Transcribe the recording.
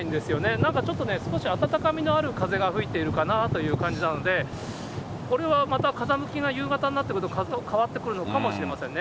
なんかちょっとね、少し暖かみのある風が吹いているかなという感じなんで、これはまた風向きが夕方になってくると変わってくるのかもしれませんね。